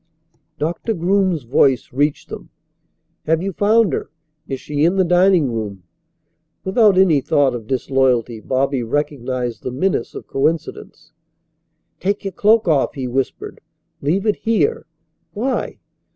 Doctor Groom's voice reached them. "Have you found her? Is she in the dining room?" Without any thought of disloyalty Bobby recognized the menace of coincidence. "Take your cloak off," he whispered. "Leave it here." "Why?"